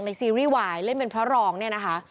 ซีรีส์วายเล่นเป็นพระรองเนี่ยนะคะ